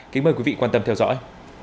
kính mời quý vị quan tâm theo dõi